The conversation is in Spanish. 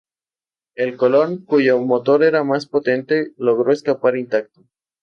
El Colón, cuyo motor era más potente, logró escapar intacto.